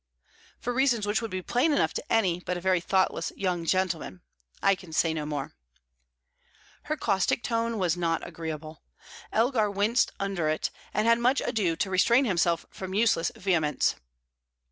"For reasons which would be plain enough to any but a very thoughtless young gentleman. I can say no more." Her caustic tone was not agreeable. Elgar winced under it, and had much ado to restrain himself from useless vehemence.